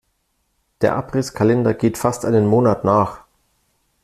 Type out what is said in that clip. Der Abrisskalender geht fast einen Monat nach.